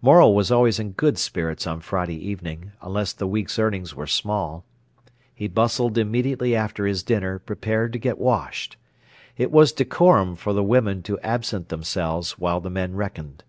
Morel was always in good spirits on Friday evening, unless the week's earnings were small. He bustled immediately after his dinner, prepared to get washed. It was decorum for the women to absent themselves while the men reckoned.